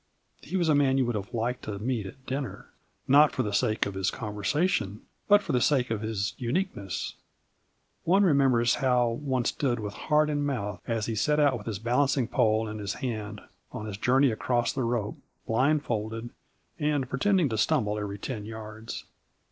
He was a man you would have liked to meet at dinner, not for the sake of his conversation, but for the sake of his uniqueness. One remembers how one stood with heart in mouth as he set out with his balancing pole in his hand on his journey across the rope blindfolded and pretending to stumble every ten yards.